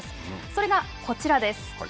それがこちらです。